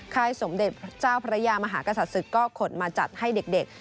ค่ายสมเด็จพระเจ้าพระยามหากษัตริย์ศึกก็ขนมาจัดให้เด็ก